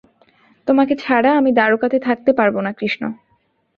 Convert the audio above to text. তোমাকে ছাড়া আমি দ্বারকাতে থাকতে পারব না, কৃষ্ণ!